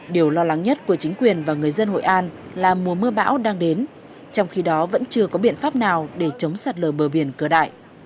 điều lo lắng nhất của chính quyền và người dân hội an là mùa mưa bão đang đến trong khi đó vẫn chưa có biện pháp nào để chống sạt lở bờ biển cửa đại